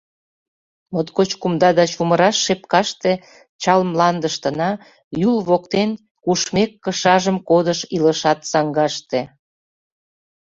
Моткоч кумда да чумыраш шепкаште — Чал мландыштына, Юл воктен, кушмек, Кышажым кодыш илышат саҥгаште.